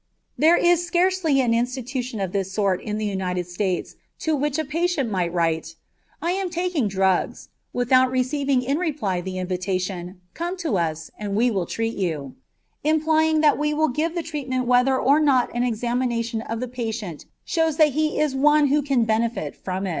There is scarcely an institution of this sort in the United States to which a patient might write, "I am taking drugs," without receiving in reply the invitation, "Come to us, and we will treat you," implying that they will give the treatment whether or not an examination of the patient shows that he is one who can benefit from it.